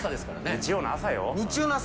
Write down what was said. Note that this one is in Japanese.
日曜の朝よ。